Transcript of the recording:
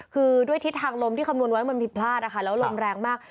คือด้วยทิศทางลมที่คำนวณไว้มันผิดพลาดนะคะแล้วลมแรงมาก